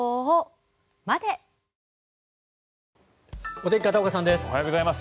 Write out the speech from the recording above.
お天気、片岡さんです。